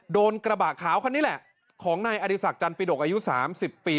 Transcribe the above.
โดนกระบะขาวคันนี้แหละของนายอดีศักดิจันปิดกอายุ๓๐ปี